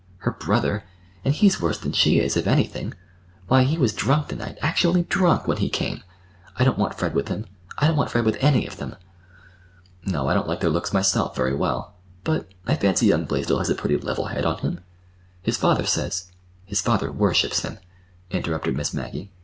Her brother!—and he's worse than she is, if anything. Why, he was drunk to night, actually drunk, when he came! I don't want Fred with him. I don't want Fred with any of them." "No, I don't like their looks myself very well, but—I fancy young Blaisdell has a pretty level head on him. His father says—" "His father worships him," interrupted Miss Maggie.